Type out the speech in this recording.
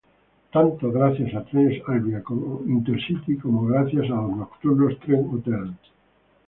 Tanto gracias a trenes Alvia, como Intercity como gracias a los nocturnos Trenhotel.